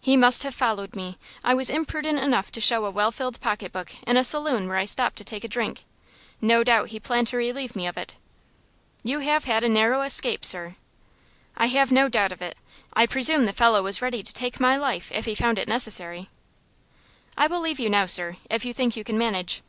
"He must have followed me. I was imprudent enough to show a well filled pocketbook in a saloon where I stopped to take a drink. No doubt he planned to relieve me of it." "You have had a narrow escape, sir." "I have no doubt of it. I presume the fellow was ready to take my life, if he found it necessary." "I will leave you now, sir, if you think you can manage."